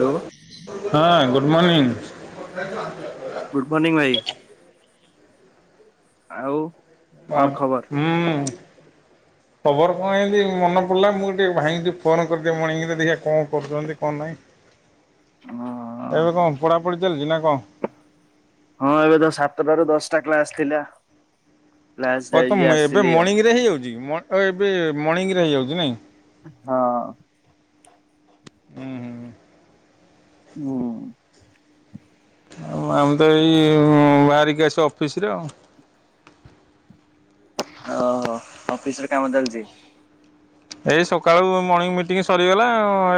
Hello ହଁ good morning. Good morning ଭାଇ। ଆଉ। କଣ ଆବ ଖବର? ହୁଁ। ଖବର କଣ ଏମିତି ମନେ ପଡିଲା ମୁଁ ଟିକେ ଭାଇ ଙ୍କୁ ଟିକିଏ ଫୋନ କରିଦିଏ ମଣିଙ୍ଗ ରେ ଦେଖିଆ କଣ କରୁଛନ୍ତି କଣ ନାହିଁ। ହଁ ଏବେ କଣ ପଢ଼ା ପଢ଼ିି ଚାଲିଛି ନା କଣ? ହଁ ଏବେ ତ ସାତଟା ରୁ ଦଶଟା କ୍ଲାସ ଥିଲା କ୍ଲାସ ହଁ ତ ଯାଇକି ଏବେ ଆସିଲି ଆଉ। ମର୍ଣ୍ଣିଂ ରେ ହେଇଯାଉଛି ଏବେ ମର୍ଣ୍ଣିଂରେ ହେଇଯାଉଛି ନାଇଁ ହଁ। ହୁଁ ହୁଁ। ହୁ। ଆମେ ତ ଏଇ ବାହାରିକି ଆସିକି ଅଫିସ ରେ ଆଉ। ଅ ହୋ ଅଫିସରେ କାମ ଚାଲିଛି। ଏଇ ସକାଳୁ ମର୍ଣିଂ ମିଟିଂ ସରିଗଲା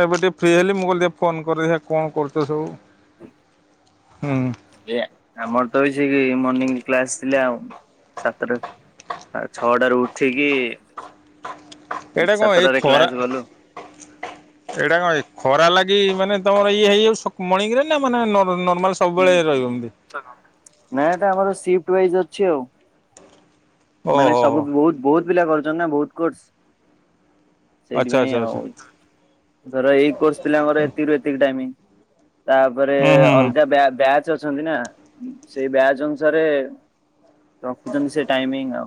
ଏବେ ଟିକେ ଫ୍ରି ହେଲି, ମୁଁ କହିଲି ଟିକେ ଫୋନ କରିଦି କଣ କରୁଛ ସବୁ? ହୁଁ ଆମର ତ ସେ ମର୍ଣିଂ କ୍ଲାସ ଥିଲା ଆଉ ସାତଟା ଆ ଛଅଟାରୁ ଉଠିକି ଏଇଟା କଣ ଏଇ ସାତଟାରେ ଖରା କ୍ଲାସ ଗଲୁ। ଏଇଟା କଣ ଏଇ ଖରା ଲାଗି ମାନେ ତମର ଇଏ ହେଇଯାଉ ମଣିଙ୍ଗରେ ନା ମାନେ ନ ନାଇଁ ଏଟା ଆମର ସିଫଟ ୱାଇଜ ଅଛି ଆଉ। ମାନେ ଓହୋ ହୋ ସବୁ ବହୁତ ବହୁତ ପିଲା କରୁଛନ୍ତି ନା ବହୁତ କୋର୍ସ। ଆଚ୍ଛା ସେଇଥିପାଇଁ ଆଚ୍ଛା ଆଚ୍ଛା ଆଉ ଧର ଏଇ କୋର୍ସ ପିଲାଙ୍କର ଏତିକୁ ଏତିକି ଟାଇମ। ତାପରେ ହୁଁ ହୁଁ ହୁଁ ଅଲଗା ବ୍ୟା ବ୍ୟା ଅଛନ୍ତି ନା ସେଇ ବ୍ୟାଚ ଅନୁସାରେ ରଖୁଛନ୍ତି ସେ ଟାଇମିଂ। ଆଉ।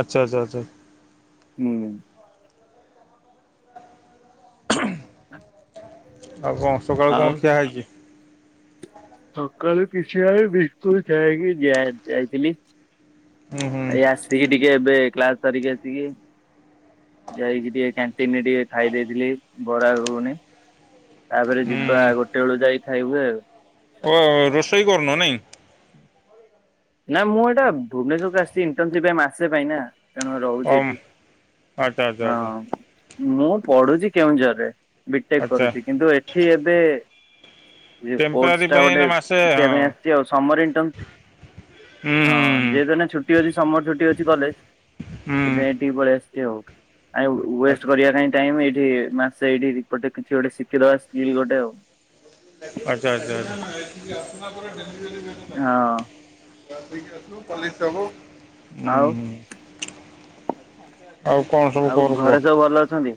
ଆଚ୍ଛା ଆଚ୍ଛା ଆଚ୍ଛା। ହୁଁ। ହ। [unintelligible] ଆଉ କଣ ସକାଳୁ ଆଉ କଣ ଖିଆ ହେଇଛି? ସକାଳୁ କିଛି ଆ [unintelligible] ଯାଇକି ଯାଇଥିଲି। ହୁଁ ହୁଁ ଏଇ ଆସିକି ଟିକେ ଏବେ କ୍ଲାସ ସାରିକି ଆସିକି ଯାଇକି ଟିକେ କ୍ୟାଣ୍ଟିନରେ ଟିକେ ଖାଇ ଦେଇଥିଲି। ବରା ଗୁଗୁନି ତାପରେ ଯିବା ହୁଁ ଗୋଟେ ବେଳୁ ଯାଇ ଖାଇବୁ ଆଉ। ଓ ରୋଷେଇ କରୁନ ନାଇଁ? ନା ମୁଁ ଏଇଟା ଭୁବନେଶ୍ୱରକୁ ଆସିଛି ଇଣ୍ଟର୍ନସିପ ଆସିଚି ମାସେ ପାଇଁ ନା। ତେଣୁ ରହୁଛି ଓମ୍ ଏଠି ଆଚ୍ଛା ଆଚ୍ଛା ହଁ ଆଚ୍ଛା ମୁଁ ପଢୁଚି କେଉଁଝରରେ ବିଟେକ୍ ଆଚ୍ଛା କରୁଚି କିନ୍ତୁ ଏଠି ଏବେ ଏଇ ଟେମ୍ପରାରୀ କୋର୍ସଟା ପାଇଁ ଗୋଟେ ଏଇନା ମାସେ ଶଖିବା ହଁ। ପାଇଁ ଆସିଚି ଆଉ ସମର ଇଣ୍ଟ ହୁଁ ହଁ ହୁଁ ଯେହେତୁ ଛୁଟି ଅଛି ସମର ଛୁଟି ଅଛି କଲେଜ, ହୁଁ ସେ ଏଠିକି ପ ଶ୍ଚି ଆଉ ୱେଷ୍ଟ କରିବା କାଇଁ ଏଇଠି ମାସ ଏଇଠି ଗଟେ କିଛି ଗୋଟେ ଶିଖିଦବା ସ୍କୁଲ ଗୋଟେ ଆଉ। ଆଚ୍ଛା ଆଚ୍ଛା। ହଁ ହୁଁ ଆଉ ହୁଁ। ଆଉ କଣ ସବୁ ଆଉ କର କୁହ? ଘରେ ସବୁ ଭଲ ଅଛନ୍ତି?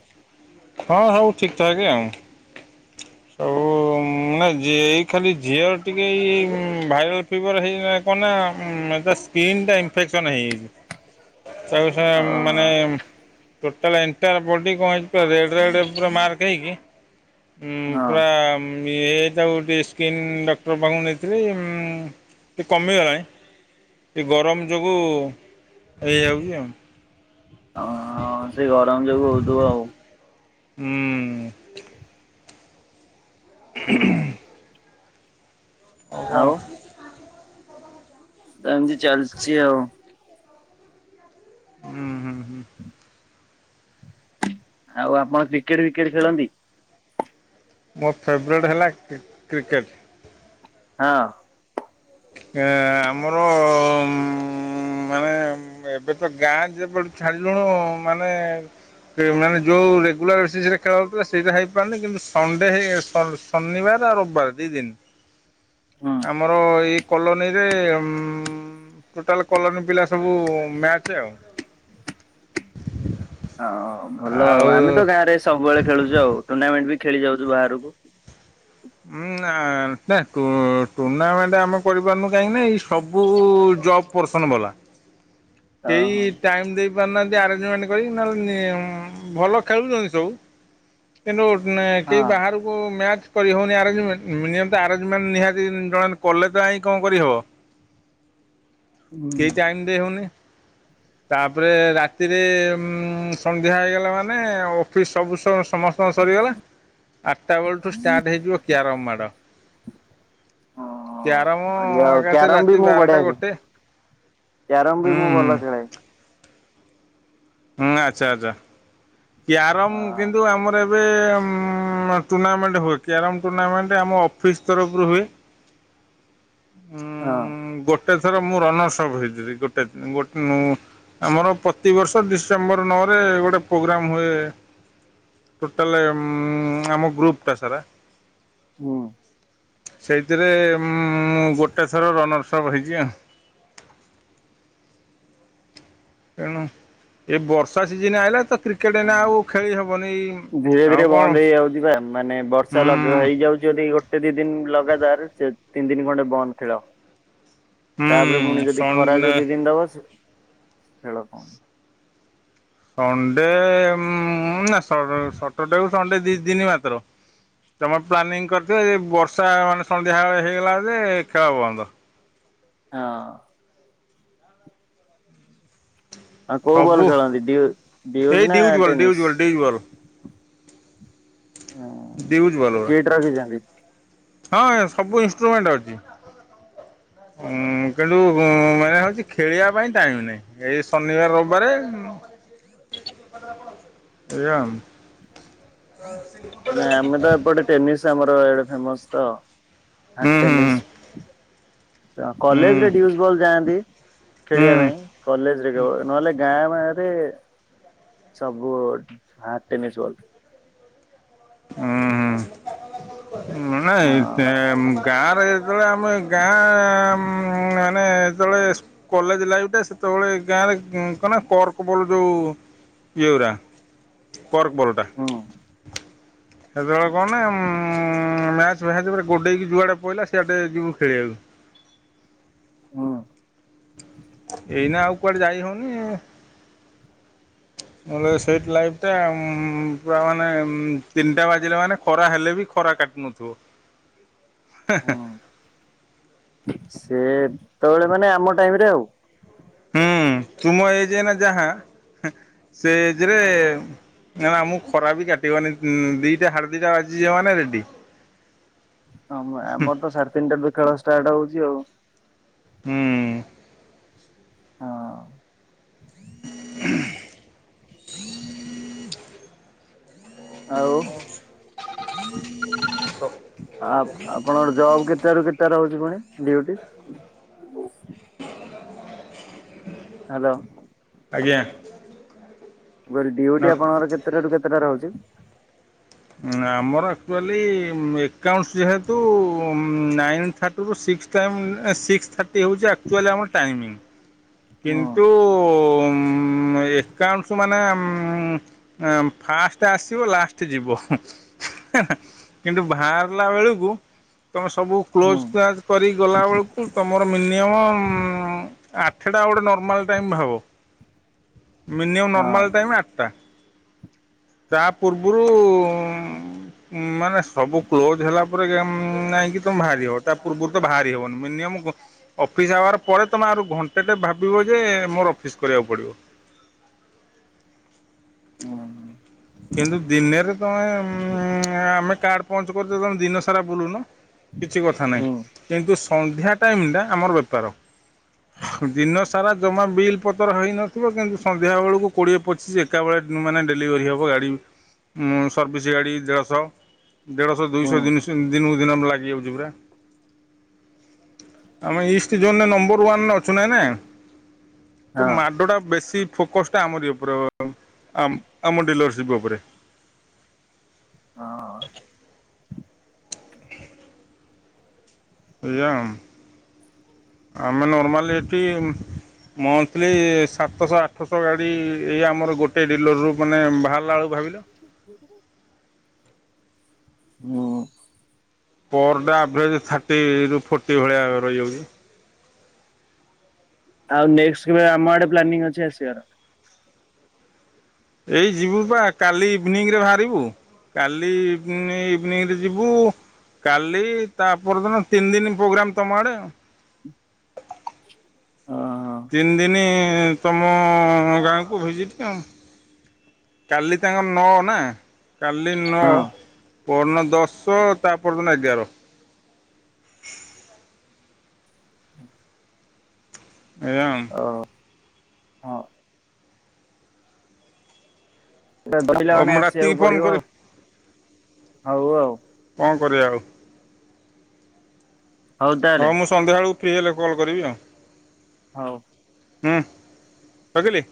ହଁ ସବୁ ଠିକ୍ ଠାକ୍ ଆଉ। [unintelligible] ଆଉ ମେ ଏଇ ଖାଲି ଝିଅର ଟିକେ ଏଇ ଭାଇରାଲ୍ ଫିଭର୍ ହେଇଗଲା କଣ ନା ଉମ୍ ତା ସ୍କିନ୍ ଟା ଇନଫେକ୍ସନ ହେଇଯାଇଛି। [inaudible] [inaudible] ଓହୋ ଟୋଟାଲ ଏଣ୍ଟାୟାର୍ ବଡି କଣ ହେଇଛି ନା ରେଡ୍ ରେଡ୍ ପୁରା ମାର୍କ ହେଇକି ଉଁ ହଁ ପୁରା ଇଏ ତାକୁ ଗୋଟେ ସ୍କିନ୍ ଡକ୍ଟର ପାଖକୁ ନେଇଥିଲି ଟିକେ କମିଗଲାଣି ଟିକେ ଗରମ ଯୋଗୁଁ ହେଇଯାଉଛି ଆଉ। ହ ସେ ଗରମ ଯୋଗୁ ହୋଉଥିବ ଆଉ। ହୁଁ। ହୁଁ। ଆଉ କଣ? ଏମିତି ଚାଲିଛି ଆଉ। ହୁଁ ହୁଁ ହୁଁ। ଆଉ ଆପଣ କ୍ରିକେଟ ଫିକେଟ ଖେଳନ୍ତି? ମୋ ଫେବରାଇଟ୍ ହେଲା କି କ୍ରିକେଟ୍। ହଁ। ଏ ଆମର ମାନେ ଏବେ ତ ଗାଁ ଯେବେଠୁ ଛାଡିଲୁଣୁ ମାନେ ମାନେ ଯୋଉ ରେଗୁଲାର ବେସିସ ରେ ଖେଳହଉଥିଲା, ସେଇଟା ହେଇପାରୁନି କିନ୍ତୁ ସଣ୍ଡେ ହେଇ ଶ ଶନିବାର ରବିବାର ଦି ଦିନ ହୁଁ। ଆମର ଏଇ କଲୋନୀରେ ଟୋଟାଲ କଲୋନୀ ପିଲା ସବୁ- ମ୍ୟାଚ ଆଉ। ହ ଭଲ ଆଉ ଆମେ ତ ଗାଁରେ ସବୁବେଳେ ଖେଳୁଛୁ ଆଉ ଟୁର୍ଣ୍ଣାମେଣ୍ଟ ବି ଖେଳି ଯାଉଛୁ ବାହାରକୁ ହଁ ନା ଟୁର୍ଣ୍ଣାମେଣ୍ଟ ଆମେ କରିପାରୁନୁ କାହିଁକି ନା ଏଇ ସବୁ ଜବ୍ ପରସନ ବାଲା କେହି ଓହୋ ଟାଇମ ଦେଇ ହାନ୍ତି ଆରେ୍ଜମେଣ୍ଟ କରି ନହେଲେ ଭଲ ଖେଳୁଛନ୍ତି ସବୁ କିନ୍ତୁ କେହି ହଁ। ବାହାରକୁ ମ୍ୟାଚ୍ କରିହଉନି ଆରେଞ୍ଜ ମେଣ୍ଟ ମିନିମମ୍ ତ ନିହାତି ଜଣେ କଲେ ତ ଜାଇ କଣ କରିହବ? ହୁଁ। କେ ଟାଇମ ଦେଇ ହେଉନି ତାପରେ ରାତିରେ ଉ ସନ୍ଧ୍ୟା ହେଇଗଲା ମାନେ ଅଫିସ ସବୁ ସମସ୍ତଙ୍କ ସରିଗଲା ଆଠଟା ବେଳଠୁ ଷ୍ଟାର୍ଟ ହେଇଯିବ କ୍ୟାରମ୍ ମାଡ଼ ହଁ ବଢିଆ ଆଉ କ୍ୟାରମ ବି କ୍ଯାରାତି ମୁଁ ବାରଟା ବଢିଆ ଗୋଟେ ହୁଁ ମୁ ହୁଁ ଭଲ ଖେଳେ ହୁଁ ଆଚ୍ଛା ଆଛା କ୍ଯାରମ କିନ୍ତୁ ଆମର ଟୁର୍ଣ୍ଣାମେଣ୍ଟ ହୁଏ କ୍ୟାରମ ଟୁର୍ଣ୍ଣାମେଣ୍ଟ ଆମ ଅଫିସ ତରଫରୁ ହୁଏ। ହଁ ଉଁ ଗୋଟେ ଥର ମୁଁ ରନର୍ସପ୍ ହେଇଥିଲି ଗୋଟେ ଦ ଗୋଟେ ଆମର ପ୍ରତିବର୍ଷ ଡିସେମ୍ବର ନଅ ରେ ଗୋଟେ ପ୍ରୋଗ୍ରା ଆମ ଏ ଟୋଟାଲ ମୁ ଆମ ଗ୍ରୁପ୍ ଟା ସାରା ହଁ। ସେଇଥିରେ ମୁଁ ଗୋଟେ ଥର ରନର୍ ସପ ହେଇଛି ଆଉ। [inaudible] ଏଣୁ ଏ ବର୍ଷା ସିଜିନୀ ଆଇଲା ତ। କ୍ରିକେଟ ଏଇନା ଆଉ ଖେଳି ହବନି ଧୀରେ ଧୀରେ ଆଉ ବନ୍ଦ କଣ ହେଇଯାଉଛି ବା ମାନେ ବର୍ଷା ହୁଁ। ଲଗା ହେଇଯାଉଛି ଯଦି ଗୋଟେ ଦି ଦିନି ଲଗାତାର ସେ ତିନି ଦିନି ଖଣ୍ଡେ ବନ୍ଦ ଖେଳ। ହୁଁ ତାପରେ ପୁଣି ଯଦି ଖରା ସଣ୍ଡେ ଯଦି [unintelligible] ଦବ ଖେଳ ବନ୍ଦ୍। ସଣ୍ଡେ ନା ସଟରଡେ ସଣ୍ଡେ ଦି ଦିନି ମାତ୍ର। ତମେ ର ପ୍ଲାନିଂ କରିଥିବ ଯେ ବର୍ଷା ମାନେ ସନ୍ଧ୍ୟାଳେ ହେଇଗଲା ଯେ ଖେଳ ବନ୍ଦ। ହଁ। ହଁ କୋଉ ବଲ ସବୁ ଖେଳନ୍ତି ଡିଉ ଡିଉଜ୍ ଏଇ ନା ball deuce tennis? Ball deuce ball ହଁ ଡିଉଜ୍ ବଲ୍ ଗୁରା। କେଟ ରଖିଛନ୍ତି। ହଁ ସବୁ ଇନଷ୍ଟ୍ରୁମେଣ୍ଟ ଅଛି ହୁଁ। କିନ୍ତୁ ମାନେ ହେଉଛି ଖେଳିବା ପାଇଁ ଟାଇମ ନାହିଁ ଏଇ ଶନିବାର ରବିବାରେ ଏଇଆ ଆଉ। ମ ଆମେ ତ ଏପଟେ ଟେନିସ୍ ଆମର ଏଇଆଡ଼େ ଫେମସ ତ। ହ ହୁଁ ହୁଁ ଟେନିସ୍। ହୁଁ ହୁଁ କଲେଜ ରେ ପ୍ରିନ୍ସିପାଲ ଯାଆନ୍ତି। ଖେଳିବା ହୁଁ ପାଇଁ କଲେଜ ରେ କେବଳ ନହେଲେ ଗାଁ ହେ ସବୁଠୀ ହାର୍ଡ ଟେନିସ ବଲ୍। ହୁଁ ହୁଁ ନାଇ ହଁ ଗାଁରେ ଯେତେବେଳେ ଆମେ ଗାଁ ମାନେ ଯେତେବେଳେ କଲେଜ ଲାଇଫ ଟା ସେତେବେଳେ ଗାଁରେ କ କହିଲା କର୍କ ବଲ ଯୋଉ ଏଇଉରା। କର୍କ ବଲଟା ହୁଁ ସେତେବେଳେ କଣ ନା ମ୍ୟାଚ ଫାଛେ ପରେ ଗୋଡେଇକି ଯୁଆଡେ ପହିଲା ସେଆଡେ ଯିବୁ ଖେଳିବାକୁ। ହଁ। ଏଇନା ଆଉ କୁଆଡେ ଯାଇ ହେଉନି। ନଲେ ସେଇଠ ଲାଇଫ ଟା ପ ମାନେ ତିନିଟା ବାଜିଲେ ମାନେ ଖରା ହେଲେ ବି ଖରା କାଟ ନଥିବ [inaudible] ହୁଁ ସେ ତବେଳେ ମାନେ ଆମ ଟାଇମ ରେ ଆଉ। ହୁଁ [inaudible] ତୁମ ଏଜ ନା ଯାହା ସେ ଏଜରେ ନା ନା ମୁଁ ଖରା ବି କାଟିବନି ଦିଟା ହାଡେ ଦିଟା ବାଜି ଯ ମାନ ରେଡି ହ ଆମର ତ ସାଢେ ତିନିଟାରୁ ଖେଳ ଷ୍ଟାର୍ଟ ହଉଛି ଆଉ। ହୁଁ। ହଁ। ଆଉ। ଆ ଆପଣଙ୍କ ଜବ୍ କେତେଟା ରୁ କେତେ ରହୁଛି? କଣ ଡ଼ିଉଟି! ହାଲୋ। ଆଜ୍ଞା। ମୁ କହିଲି ଡିଉଟି ଆପଣଙ୍କର କେତେଟାରୁ କେତେଟା ରହୁଛି? ଆମର ଆକ୍ଚୁଆଲି ଏକାଉଣ୍ଟଶ୍ ଯେହେତୁ ନାଇନ୍ ଥାର୍ଟିରୁୁ ସିକ୍ସ ଟାଇମ୍ ସିକ୍ସ ଥାର୍ଟି ହେଉଛି ଆକ୍ଚୁଆଲି ଆମର ଟାଇମିଙ୍ଗ କିନ୍ତୁ ହଁ ଏକାଉଣ୍ଟସ ମାନେ ଫାଷ୍ଟ ଆସିବ ଲାଷ୍ଟ ଯିବ। କିନ୍ତୁ ବାହାରିଲା ବେଳକୁ ତୁମେ ସବୁ ହୁଁ କ୍ଲୋଜ୍ କ୍ଲାଜ୍ କରିକି ଗଲାବେେଳକୁ ତୁମର ମିନିମମ୍ ଆଠ ଆଠଟା ଗୋଟେ ନର୍ମାଲ ଟାଇମ୍ ହେବ ମିନିମମ୍ ହଁ ନର୍ମାଲ ଟାଇମ୍ ଆଠଟା। ତା ପୂର୍ବରୁ [inaudible] ହୁଁ। ମାନେ ସବୁ କ୍ଲୋଜ ହେଲା ପରେ ଗ ଯାଇକି ତମେ ବାହାରି ହବ ତା ପୂର୍ବରୁ ତ ବାହାରି ହବନି ମିନିମମ ଅଫିସ ଆୱାର ପରେ ତମେ ଆହୁରି ଘଣ୍ଟେଟେ ଭାବିବ ଯେ ମୋର ଅଫିସ କରିବାକୁ ପଡିବ। [inaudible] କିନ୍ତୁ ଦିନରେ ତମେ ଉ ଆମେ କାର୍ଡ ପହଞ୍ଚ କରୁଛ ତମେ ଦିନ ସାରା ବୁଲୁନ କିଛି କଥା ନାହିଁ ହୁଁ କିନ୍ତୁ ସନ୍ଧ୍ୟା ଟାଇମ ଟା ଆମର ବେପାର ଦିନ ସାରା ଜମା ବିଲ୍ ପତର ହୋଇଇନଥିବ। କିନ୍ତୁ ସନ୍ଧ୍ୟା ବେଳକୁ କୋଡ଼ିଏ ପଚିଶ ଏକା ବେଳେ ମାନେ ଡେଲିଭରି ହେବ ଗାଡ଼ି ଇ ସର୍ଭିସ୍ ଗାଡି ଦେଢଶହ ଦେଢଶହ ହୁଁ ଦୁଶହ ଦିନଶ ଦିନକୁ ଦିନ ଲା ଇଏ ହୋଉଛି ପରା। ଆମେ ଇଷ୍ଟ ଜୋନରେ ନମ୍ବର ୱାନ ଅଛୁ ନାଇଁ ନା? ତ ହଁ। ମାଡଟା ବେଶୀ ଫୋକସ ଟା ଆମରି ଉପରେ ଆମ ଆମଡିଲରସ ଯିବ ଓପରେ। ହଁ। ଏଇଆ ମ ଆମେ ନର୍ମାଲି ଏଠି ମନ୍ଥଲି ସାତଶହ ଆଠଶହ ଗାଡ଼ି ଏଇ ଆମର ଗୋଟେ ଡିଲରରୁୁ ମାନେ ବାହାରିଲାେଳୁକୁ ହଁ। ପର ଡେ ଆଭରେଜ ଥାର୍ଟି ର ଫର୍ଟି ଭଳିଆ ରହିଯାଉଛି। ଆଉ ନେକ୍ସଟ୍ କେବେ ଆମ ଆଡେ ପ୍ଲାନିଂ ଅଛି ଆସିବାର? ଏଇ ଯିବୁ ବା କାଲି ଇଭିନିଂ ରେ ବାହାରିବୁ। କାଲି ଇଭିନି ଇଭିନିଂରେ ଯିବୁ କାଲି ତାପର ଦିନ ତିନି ଦିନ ପ୍ରୋଗ୍ରାମ ତମ ଆଡେ ଆ ହ। ତିନି ଦିନ ତମ ଗାଁକୁ ଭିଜିଟ୍ ଆ କାଲି ତାଙ୍କ ନଅ ନା କାଲି ନଅ ହଁ ପହରଦିନ ଦଶ ତା ପର ଦିନ ଏଗାର। ଏୟା ଆଉ ଓ ହଁ। ହଉ ପିଲାମାନେ ମୁଁ ରାତିକି ଆସିବାକୁ ଫୋନ୍ ପଡିବ ଆଉ। କରିବି ହଉ ଆଉ। କଣ କରିବା ଆଉ ହଉ ତାହେଲେ ହଁ ମୁଁ ସନ୍ଧ୍ୟାବେଳକୁ ଫ୍ରୀ ହେଲେ କଲ୍ କରିବି ଆଉ। ହଉ। ହୁଁ ରଖିଲି।